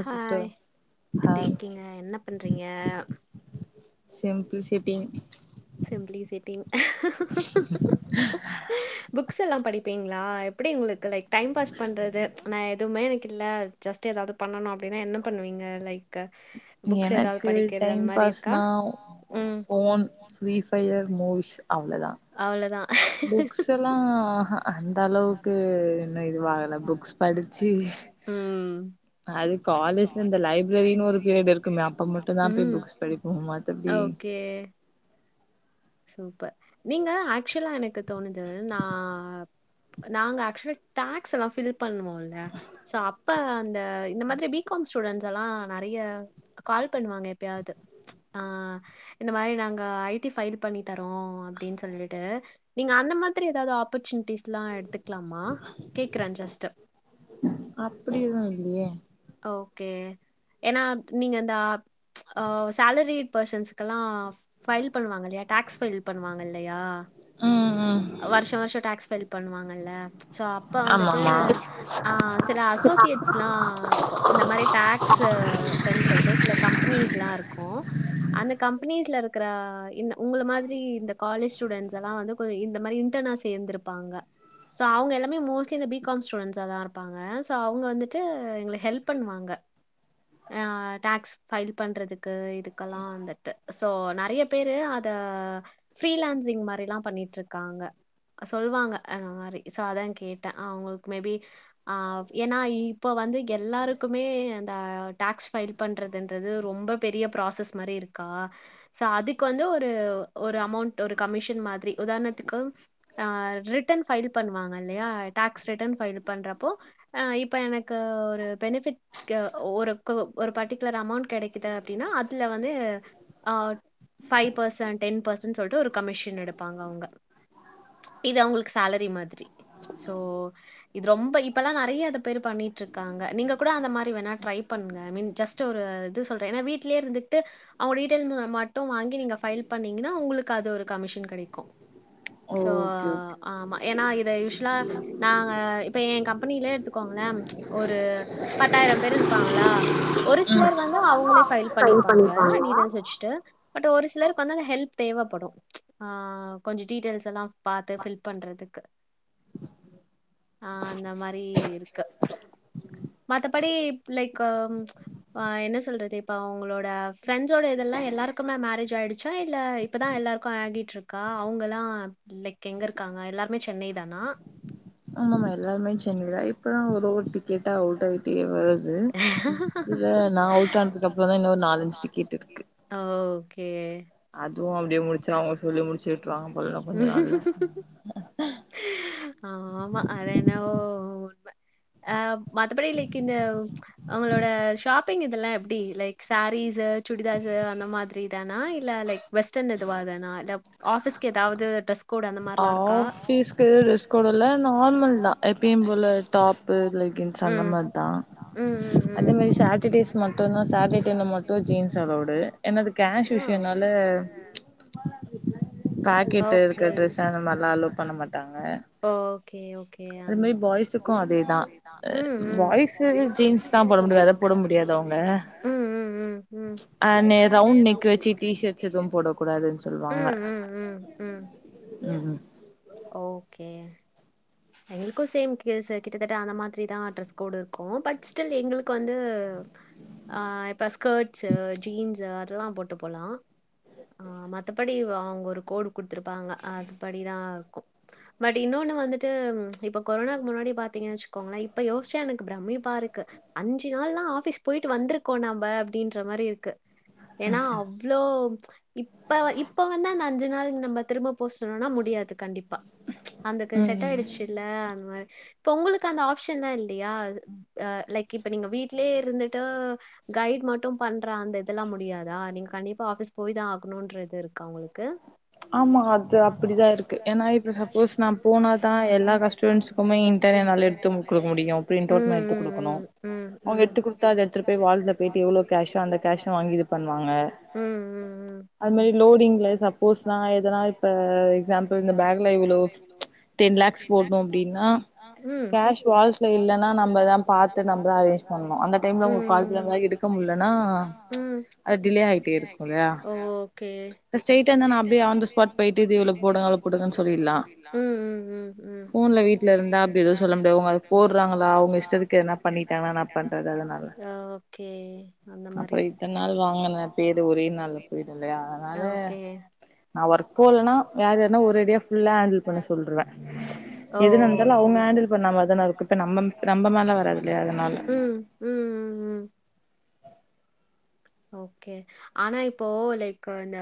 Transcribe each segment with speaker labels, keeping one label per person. Speaker 1: Hi எப்படி இருக்கீங்க என்ன பண்றீங்க
Speaker 2: சேம்
Speaker 1: [unintelligible] சிம்பிளி சிட்டிங் புக்ஸ் எல்லாம் படிப்பீங்களா எப்படி எங்களுக்கு லைக் டைம் பாஸ் பண்ணுறது நான் எதுவுமே எனக்கு இல்லை ஜஸ்ட் ஏதாவது பண்ணணும் அப்படின்னா என்ன பண்ணுவீங்க லைக்
Speaker 2: எனக்கு டைம் பாஸ்னா ஃபோன் ஃபரீஃபயர் மூவி அவ்ளோதான் புக்ஸ் எல்லாம்ஹ அந்த அளவுக்கு இன்னும் இதுவல புக்ஸ் படிச்சு அது காலேஜ்ல இந்த லைப்ரரினு ஒரு பீரியட் இருக்குமே அப்ப மட்டும் தான் போய் புக்ஸ் படிப்போம் மத்தபடி
Speaker 1: சூப்பர் நீங்க ஆக்சுவலா எனக்கு தோணுது நா நாங்க ஆக்சுவல் டேக்ஸ் எல்லா ஃபில் பண்ணுவோல்ல சோ அப்ப அந்த இந்த மாதிரி பி காம் ஸ்டுடென்ட்ஸ் எல்லா நெறைய க கால் பண்ணுவாங்க எப்பயாவது அ, இந்த மாரி நாங்க ஐ டி ஃபைல் பண்ணி தரோ அப்டின் சொல்லிட்டு நீங்க அந்த மாதிரி எதாவது ஆப்பச்சுர்னிட்டிஸ்லா எடுத்துக்கலாமா கேக்கற ஜஸ்ட்டு
Speaker 2: அப்படியும் இல்லையே
Speaker 1: ஓகே ஏன்னா நீங்க இந்த சேலரி பெர்சன்க்கெல்லாம் ஃபைல் பண்ணுவாங்க இல்லையா டேக்ஸ் ஃபைல் பண்ணுவாங்க இல்லையா வருஷ வருஷ டேக்ஸ் பைல் பண்ணுவாங்கல்ல சோ அப்ப வந்துட்டு [unintelligible] ஆஹ், சில அசோசியேட்ஸ்ல்லா இந்த மாரி டாக்ஸ்சு க்குன் சொல்ட்டு சில கம்பெனிஸ் லாம் இருக்கும் அந்த கம்ப் மீஸ்ல இர்க்குற இந்த உங்கள மாதுரி இந்த காலே ஷுடன்ஸ் எல்லா வந்து கொஞ்சொ இந்த மாரி இண்டனா சேந்து இருப்பாங்க சோ அவுங்க எல்லாமே மோஸ்லி பீ காம் ஸ்டுடன்ட்ஸ்ஸாதர்ப்பாங்க சோ அவுங்க வந்துட்டு எங்ள ஹெல்ப் பண்ணுவாங்க டேக்ஸ் ஃபைல் பண்றதுக்கு இதுக்கல்லாந்தட்ட சோ நறய்யா பேரு அத ஃப்ரீலான்சிங் மாரிலா பண்ணிட்ருக்காங்க செல்வாங்க அந்த மாரி சோ அதா கேட்ட அவுங்குள்க் மே பி ஆவ் ஏன்னா இ இப்ப வந்து எல்லாருக் குமே அந்த டேக்ஸ் ஃபைல் பண்றதுன்றது ரொம்ப பெரிய ப்ராஸஸ் மரி இருக்கா சோ அதுக் வந்து ஒரு ஒரு அமோண்ட் ஒரு கமிஷன் மாத்ரி உதார்ணத்துக்கு ஆ ரிட்டன் ஃபைல் பண்ணுவாங்கல்லையா டேக்ஸ் ரிட்டன் ஃபைல் பன்றப்போ அ இப்ப எனக்கு ஒரு பெனிஃபிட் க்யா ஓரக்கவவ் ஒரு பட்டிக்குலர் அமௌண்ட் கெடைக்குது அப்டினா அதுல வந்து at five percent ten percent செல்ட்டு ஒரு கமிஷன் எடுப்பாங்க அவுங்க இது அவுங்ளுக்கு சாலரி மாதுரி சோ இது ரொம்ப இப்பல்லா நறைய அத பேரு பண்ணிட்ருக்காங்க நீங்க குட அந்த மாரி வேனா ட்ரை பண்ங்க ஐ மீன் ஜஸ்ட் ஒரு இது செல்ற ஏனா வீட்லேருந்துக்ட்டு அவுங் டீட்டேலுந்துத மட்டு வாங்கி நீங்க ஃபைல் பண்ணீங்கனா உங்ளுக்கு அது ஒரு கமிஷன் கடைக்கு சோ ஆமா ஏனா இத யூஷ்லா நாங்க இப்ப ஏ கம்பனில எடுத்துக்கோங்ள ஒரு பத்தாயிரம் பேர் இருப்பாங்களா ஒரு சிலர் வந்து அவங்களே ஃபைல் பண்ணிப்பாங்க டீட்டெய்ல்ஸ் வச்சுட்டு பட் ஒரு சிலருக்கு வந்து ஹெல்ப் தேவப்படு ஆ கொஞ்சோ டீட்டெய்ல்ஸ் எல்லா பாத்து ஃபில் பண்றதுக்கு ஆ அந்த மாரி இருக்கு மத்தபடி லைக் அ அம் ஆ என்ன சொல்றது இப்ப உங்ளோட ஃப்ரெண்ட்ஸோட இதெல்லா எல்லாருக்கு மேரேஜ் ஆயிடுச்சா இல்ல இப்ப தா எல்லாருக்கு ஆகிட்ருக்கா அவங்கல்லா லைக் எங்க இருக்காங்க எல்லாருக்குமே சென்னை தானா
Speaker 2: ஆமாமா எல்லருமே சென்னை தா
Speaker 1: இப்பதா ஒரு ஒரு டிக்கெட்டா அவுட் ஆயிட்டே வருது இதுல நா அவுட் ஆனதுக்கப்றோ தா இன்னொரு நாலஞ்சு டிக்கெட் இருக்கு ஓ ஒகே
Speaker 2: அதுவு அப்டியே முடிச்சிரு அவங்க சொல்லி முடிச்சு விட்டுருாங்க போலா இன்னு கொஞ்ச நாள்ல
Speaker 1: ஆமா அது என்னவோ உண்ம அ மத்தபடி லைக் இந்த அவங்களோட ஷாப்பிங் இதெல்லா எப்டி லைக் சாரீஸ் சுடிதாஸ்சு அந்த மாதிரி தானா இல்ல லைக் வெஸ்டர்ன் எதுவாதானா இல்ல ஆஃபீஸ்க்கு ஏதாவது டிரஸ்
Speaker 2: ஆபீஸ்க்கு ட்ரெஸ் கோடு இல்ல நார்மல் தா எப்பயு போல டாப்பு லெக்கின்ஸ் அந்த மார் தா அதே மாரி சாட்டடேஸ் மட்டு தா சாட்டடேல மட்டு ஜீன்ஸ் அளவ்டு ஏனா கேஷ் விஷயனால பேக்கெட் இருக்க ட்ரெஸ் அந்த மாரிலா அலோ பண்ண மாட்டாங்க
Speaker 1: ஓகே ஓகே ஆனா பாய்ஸ்க்கு அதேதா பாய்ஸ்க்கு ஜீன்ஸ் தா போட முடியாது போட முடியாது அவங்க அ நே ரவுண்ட் நெக் வச்சு டீசர்ட் எதுவு போடக்கூடாது எங்களுக்கு சேம் எஸ் கிட்டத்தட்ட அந்த மாதிரி தா ட்ரெஸ் கோடு இருக்கு பட் ஸ்டில் எங்களுக்கு வந்து ஆ இப்ப ஸ்கர்ட்ஷு ஜீன்ஷு அதெல்லா போட்டு போலா ஆ மத்தபடி அவங்க ஒரு கோடு குடுத்துருப்பாங்க அதுபடி தா இருக்கு பட் இன்னொன்னு வந்துட்டு இப்ப கொரனா முன்னாடி பாத்தீங்க வச்சுக்கோங்களே இப்ப யோசிச்சா எனக்கு பிரம்மிப்பா இருக்கு அஞ்சு நாள்ல்லா ஆபீஸ் போயிட்டு வந்திருக்கோ நம்ம அப்படின்ற மாரி இருக்கு ஏனா அவ்ளோ இப்ப இப்ப வந்து அந்த அஞ்சு நாள் நம்ம திரும்ப போ சொன்னனா முடியாது கண்டிப்பா அந்த க செட் ஆயிடுச்சு இல்ல அந்த மாரி இப்ப உங்களுக்கு அந்த ஆப்ஷன்லா இல்லையா அது அ லைக் இப்ப நீங்க வீட்லே இருந்துட்டு கைட் மட்டு பண்ற அந்த இதெல்லா முடியாதா நீங்க கண்டிப்பா ஆபிஸ் போய் தா ஆகணுன்ற இது இருக்கா உங்களுக்கு
Speaker 2: ஆமா அது அப்டிதா இருக்கு ஏன்னா இப்ப சப்போஸ் நா போனாதா எல்லா கஷ்ட்டெண்ட்ஸ்க்கு
Speaker 1: ம் ம் ம் ம் ம் ம் ம் ம்
Speaker 2: ஸ் நா எதனா இப்ப எக்ஸாம்பிள் இந்த பேக்ல இவ்ளோ டென் லேக்ஸ் போட்டோ அப்டினா
Speaker 1: ம் ம் ம் ஓகே ம் ம் ம் ஜூன்ல வீட்டுல இருந்தா அப்டி ஏதும் சொல்லமுடியாது ஒங்களுக்கு போடறாங்க அவங்க இஷ்டத்துக்கு ஏதுனா பண்ணிட்டாங்கனா என்ன பண்றது ஓகே அந்த மாரி [inaudible] ஓகே
Speaker 2: நா ஒர்க் போலன்னா வேற யார்னா ஒரேடியா ஃபுல்லா ஹேண்டில் பண்ண சொல்றுவ
Speaker 1: ஓ செரி செரி [inaudible] நம்ம மேல வர்றாது ம் ம் ம் ஓகே ஆனா இப்போ லைக் இந்த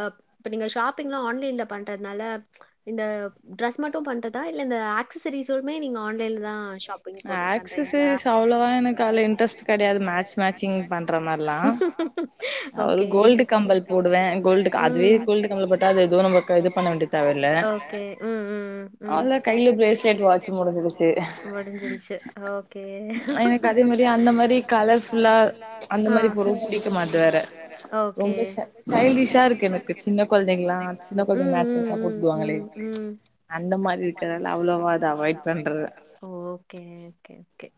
Speaker 1: அ இப்ப நீங்க ஷாப்பிங் லா ஆன்லைன்ல பண்றதுனால இந்த டிரஸ் மட்டு பண்றதா இல்ல இந்த அக்சசரிஸுமே நீங்க ஆன்லைன்ல தா
Speaker 2: ஆக்சசைரிஸ் அவ்வளோவா எனக்கு அதுல இன்ட்ரெஸ்ட் கெடையாது மேட்ச் மேட்சிங் பண்ற மாரிலா
Speaker 1: ஓகே கோல்டு கம்மல் போடுவே ம் அதுவே கோல்டு கம்மல் போட்டா அது எதுவு இது பண்ண வேண்டி தேவயில்ல ஓகே உம் உம் உம் உம் கைல பிரேஸ்லெட் வாட்ச் முடிஞ்சிருச்சு முடிஞ்சிருச்சு ஓகே எனக்கு அதே மாதிரி அந்த மாரி கலர்
Speaker 2: அந்த மாரி பொருள் புடிக்குமான்
Speaker 1: இது வேற ஓகே ரொம்ப சை சைல்டிசா இருக்கு எனக்கு சின்ன கொழந்தைகளா உம் உம் உம் உம் உம் அந்த மாரி இருக்கிறத அவ்வளவா அத அவாய்ட் பண்றது ஓகே ஓகே ஓகே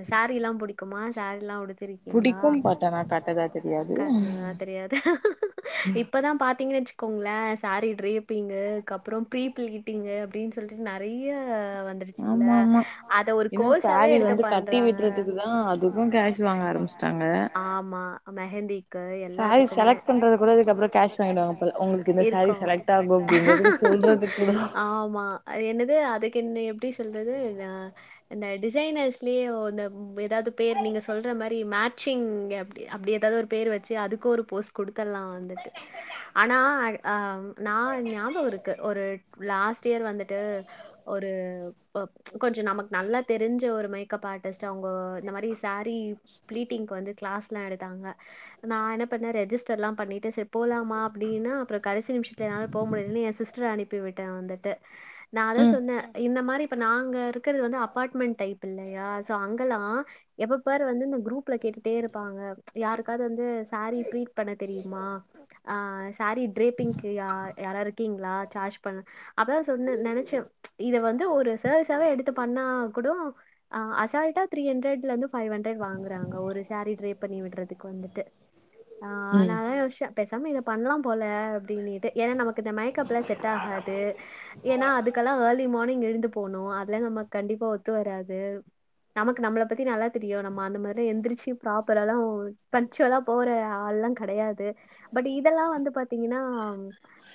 Speaker 1: எ சாரி எல்லா புடிக்குமா சாரீலா உடுத் த்ரிங்களா கட்னனானு தெரியாது இப்பதா பாத்தீங்கன் வெச்சு உங்கள சாரி டிரேப்பிங்கு அதுக்கப்புறோ ப்ரீ பிளிட்டிங்கு அப்படின் சொல்லிட்டு நெறைய அ வந்துருச்சு இல்ல அத ஒரு கோசாவே எடுத்து பண்றாங்க [inaudible] ஆமா மே ஹெந்தி க்கா எல்லாத்துக்குமே சாரி செலக்ட் பண்றதுக்கு கூட இதுக்கப்றோ கேஷ் வாங்கிடுவாங்க போல இருக்கு உங்களுக்கு சாரி செலக்ட் ஆமா என்னது அ அதுக்குன்னே எப்டி சொல்றது இத இந்த டிசைனர்ஸ்லயே ஓ தப் ஏதாது பேர் நீங்க சொல் சொல்ற மாரி மேட்சிங் அப் அப்டி எதாவது பேர் வச்சு அதுக்கு ஒரு போஸ் குடுத்தருலா வந்துட்டு ஆனா அ நா ஞாபக இருக்கு ஒரு லாஸ்ட் இயர் வந்துட்டு ஒரு கொஞ்ச நமக் நல்லா தெரிஞ்ச ஒரு மேக்கப் ஆர்டிஸ்ட் அவங்க இந்தமாரி சாரி பிளீட்டிங்கு வந்து கிளாஸ் எல்லா எடுத்தாங்க நா என்ன பண்ணே ரெஜிஸ்டர் எல்லா பண்ணிட்டு சரி போலாமா அப்டினு அப்றோ கடைசி நிமிஷத்துல என்னால போ முடி [unintelligible] எ சிஸ்டர அனுப்பி விட்டே வந்துட்டு நா தா சொன்னே இந்த மாரி இப்ப நாங்க இருக்கிறது வந்து அபார்ட்மெண்ட் டைப் இல்லையா சோ அங்கல்லா எப்பாரு இது வந்து குரூப்ல கேட்டுட்டே இருப்பாங்க யாருக்காது வந்து சாரி பிளீட் பண்ண தெரியுமா அ சாரி டிரெப்பிங் யா யாராரு இருக்கீங்களா சார்ஜ் பண்ண அப்ப தா சொன்னே நெனச்சே இது வந்து ஒரு சர்விசாவே எடுத்து பண்ணா கூட அசால்டா தீரீ ஹன்டரட்ல இருந்து ஃவை ஹன் [unintelligible] வாங்குறாங்க ஒரு சாரீ ட்ரேப் பண்ணி விடுறதுக்கு வந்துட்டு
Speaker 2: உம்
Speaker 1: பேசாம இத பண்ணலா‌ போல அப்டினுட்டு ஏனா நமக்கு இந்த மேகப்லா செட் ஆகாது ஏனா அதுக்கெல்லா ஏர்லி மார்னிங் எழுந்து போனு அதெல்லா நமக்கு கண்டிப்பா ஒத்து வராது நமக்கு நம்மள பத்தி நல்லா தெ ஐயோ நம்ம அந்த மாரி எல்லா எந்திரிச்சு ப்ராப்பராலா பஞ்சுவலா போற ஆள்லா கெடையாது பட் இதெல்லா வந்து பாத்தீங்கன்னா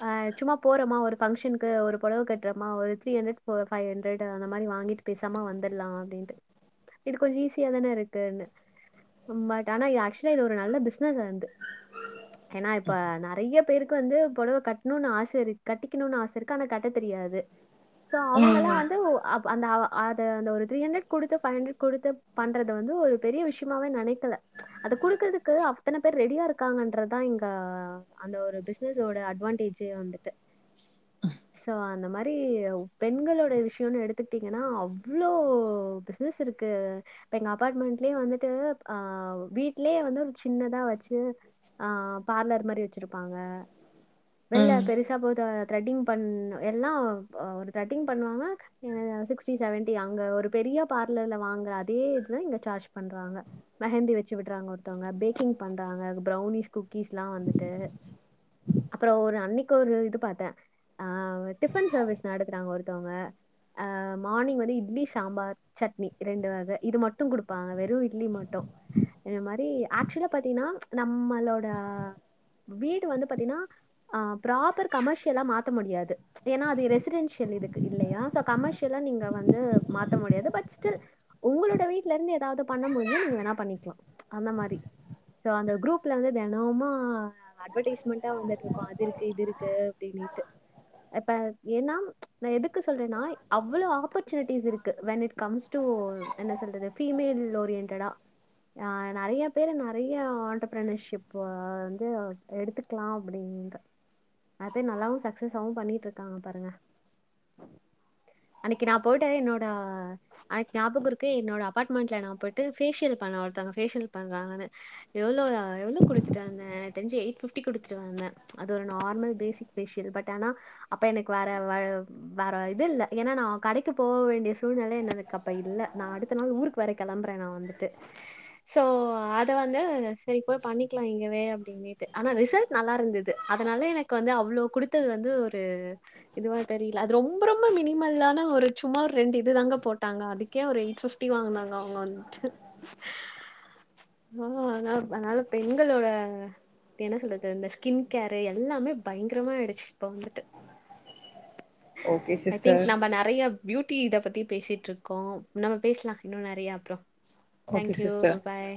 Speaker 1: அஹ் சும்மா போறோமா ஒரு ஃபங்ஷனுக்கு ஒரு பொடவ கட்றோமா ஒரு three hundred four five hundred அந்த மாரி வாங்கிட்டு பேசாம வந்தர்லா அப்படின்ட்டு இது கொஞ்ச ஈஸி தியாத இருக்குன்னு பட் ஆனா ஆக்சுவலி இது ஒரு நல்ல பிசினஸ் வந்து ஏன்னா இப்ப நெறயா பேருக்கு வந்து புடவை கட்ணுனு ஆசை இருக்கு கட்டிக்கணுனு ஆசை இருக்கு ஆனா கட்ட தெரியாது சோ அவங்கெல்லா வந்து அ அந்த அத ஒரு த்ரீ ஹண்ட்ரட் குடுத்து பைவ் ஹண்ட்ரட் குடுத்து பண்றத வந்து ஒரு பெரிய விஷயமாவே நினைக்கல அத குடுக்கறதுக்கு அத்தன பேர் ரெடியா இருக்காங்கன்றதான் இங்க அந்த ஒரு பிசினஸோட அட்வான்டேஜ் வந்துட்டு சோ அந்த மாதிரி பெண்களோட விஷயம்னு எடுத்துக்கிட்டீங்கன்னா அவ்ளோ பிசினஸ் இருக்கு இப்ப எங்க அபார்ட்மெண்ட்லயே வந்துட்டு அஹ் வீட்லயே வந்து ஒரு சின்னதா வச்சு ஆஹ் பார்லர் மாதிரி வச்சிருப்பாங்க வெல்ல பெரிசா போத த்ரட்டிங் பண்ண எல்லா ஒரு த்ரெட்டிங் பண்ணுவாங்க சிக்ஸ்டி செவன்டி அங்க ஒரு பெரிய பார்லர்ல வாங்குற அதே [unintelligible] இங்க சார்ஜ் பண்றாங்க மெஹந்தி வச்சு விட்றாங்க ஒருத்தவுங்க பேக்கிங் பண்றாங்க ப்ரவுனிஸ் குக்கிஸ்லா வந்துட்டு அப்பறோ ஒரு அன்னைக்கு ஒரு இது பாத்தே ஆஹ் டிஃபன் சர்விஸ் நடத்தறாங்க ஒருத்தவுங்க ஆஹ் மார்னிங் வந்து இட்லி சாம்பார் சட்னி ரெண்டு வக இது ம [unintelligible] வெறும் இட்லி மட்டும் இந்த மாரி ஆக்சுவலா பாத்தீன்னா நம்மளோட வீடு வந்து பாத்தீன்னா ப்ராப்பர் கமர்ஷியலா மாத்த முடியாது ஏன்னா அது ரெசிடென்சியல் இதுக்கு இல்லையா சோ கமர்ஷியலா நீங்க வந்து மாத்த முடியாது பட்ஸ் ஸ்டில் உங்களோட வீ ட்ல இருந்து எதாவது பண்ண முடிஞ்சா நீங்க வேணா பண்ணிக்லா ப்ச் அந்த மாறி ஸோ அந்த குரூப்ல இருந்து தெனமும் அட்வர்டைஸ்மென்டா வந்துட்டுருக்கும் அது இருக்கு இது இருக்கு அப்டினிட்டு இப்ப ஏன்னா ப்ச் நா எதுக்கு சொல்றேன்னா அவ்ளோ ஆப்பர்ச்சுனிட்டிஸ் இருக்கு வென் இட்ஸ் கம் டூ என்ன சொல்றது பிமேல் ஓரியன்ட்டடா அ நிறைய பேரு நிறைய ஆண்டர்பனர்ஷிப் வந்து எடுத்துக்கலாம் அப்படின்ற அது நல்லாவும் சக்சஸவும் பண்ணிட்டு இருக்காங்க பாருங்க அன்னைக்கு நா போயிட்டே என்னோட அக்கு ஞாபக இருக்கு என்னோட அப்பார்ட்மெண்ட்டில நா போயிட்டு ஃபேஷியல் பண்ண ஒருத்தாவங்க ஃபேஷியல் பண்ணுறாங்கனு எவ்வளோ எவ்வளோ குடுத்துட்டு வந்தை எனக்கு தெரிஞ்சு எயிட் ஃபிஃப்டி குத்துட்டு வந்தே அது ஒரு நார்மல் பேசிக் ஃபேஷியல் பட் ஆனா அப்போ எனக்கு வேற வ வேற இது இல்ல ஏன்னா நான் கடைக்கு போக வேண்டிய சூழ்நில எனதுக்கு அப்போ இல்ல நா அடுத்த நாள் ஊருக் ஊருக்வேரை கிளம்புறே நா வந்துட்டு சோ அத வந்து சேர் போய் பண்ணிக்கலாம் இங்கவே அப்டின்னுட்டு ஆனா ரிசல்ட் நல்லா இருந்தது அதனால எனக்கு வந்து அவ்ளோ குடுத்தது வந்து ஒரு இதுவ தெரியில அது ரொம்ப ரொம்ப மினிமலான ஒரு சும்மா ஒரு ரெண்டு இது தாங்க போட்டாங்க அதுக்கே ஒரு எயிட் ஃபிப்டி வாங்கினாங்க. வ ஆஹ் ஆ அதனால பெண்களோட என்ன சொல்றது இந்த ஸ்கின் கேர் எல்லாமே பயங்கரமாயிடுச்சு இப்ப வந்துட்டு ஐ திங்க் நம்ம நிறைய பியூட்டி சுட்டி இத பத்தி பேசிட்டு இருக்கோ நம்ம பேசலா இன்னும் நறைய அப்றோ தேங்க்யூ பாய்.